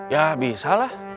ya bisa lah